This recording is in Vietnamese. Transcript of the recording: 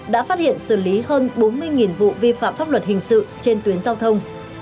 đã phát hiện xử lý hơn bốn mươi vụ vi phạm pháp luật hình sự trên tuyến giao thông